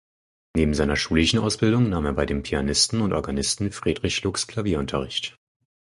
Neben seiner schulischen Ausbildung nahm er bei dem Pianisten und Organisten Friedrich Lux Klavierunterricht.